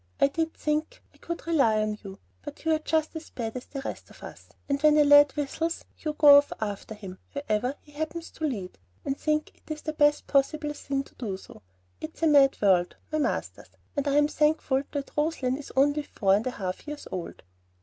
I did think I could rely on you; but you are just as bad as the rest of us, and when a lad whistles, go off after him wherever he happens to lead, and think it the best thing possible to do so. It's a mad world, my masters; and I'm thankful that Roslein is only four and a half years old."